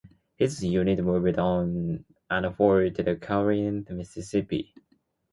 His unit moved on and fought at Corinth, Mississippi.